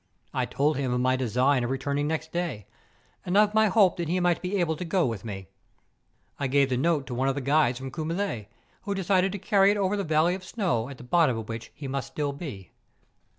I told him of my design of re¬ turning next day, and of my hope that he might be able to go with me. I gave the note to one of the guides from Coumelie, who decided to carry it over MONT PEKDU. 141 the valley of snow at the bottom of which he must still be.